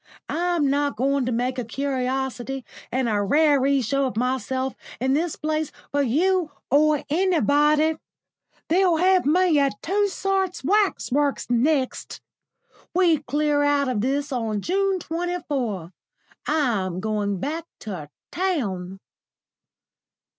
I'm not going to make a curiosity and a raree show of myself in this place for you or anybody. They'll have me at Tussaud's Waxworks next. We clear out of this on June 24. I'm going back to town."